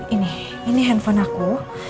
ini ini handphone aku